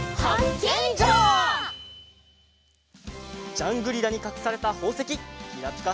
ジャングリラにかくされたほうせききらぴか